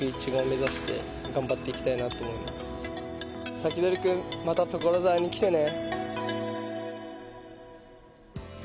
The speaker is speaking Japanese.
サキドリくんまた所沢に来てね。